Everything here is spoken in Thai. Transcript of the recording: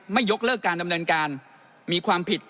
ยกเลิกการดำเนินการมีความผิด